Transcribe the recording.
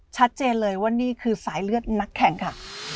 ชัดเจนเลยว่านี่คือสายเลือดนักแข่งค่ะ